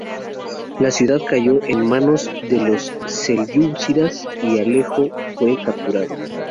La ciudad cayó en manos de los selyúcidas y Alejo fue capturado.